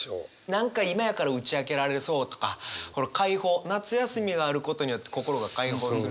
何か「今やから打ちあけられそう」とかこの開放夏休みがあることによって心が開放する。